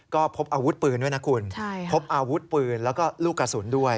ก็พบอาวุธปืนด้วยนะคุณพบอาวุธปืนแล้วก็ลูกกระสุนด้วย